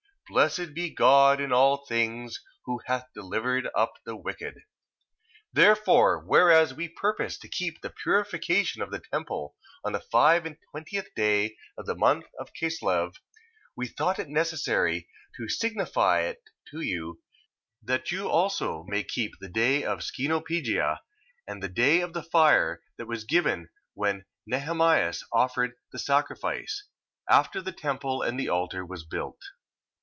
1:17. Blessed be God in all things, who hath delivered up the wicked. 1:18. Therefore, whereas we purpose to keep the purification of the temple on the five and twentieth day of the month of Casleu, we thought it necessary to signify it to you: that you also may keep the day of Scenopegia, and the day of the fire, that was given when Nehemias offered sacrifice, after the temple and the altar was built.